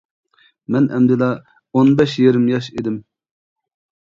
مەن ئەمدىلا ئون بەش يېرىم ياش ئىدىم.